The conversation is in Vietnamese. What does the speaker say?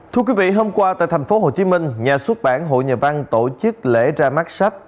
thưa quý vị hôm qua tại thành phố hồ chí minh nhà xuất bản hội nhà văn tổ chức lễ ra mắt sách